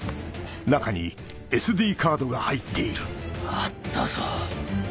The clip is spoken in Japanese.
あったぞ。